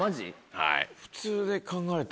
はい。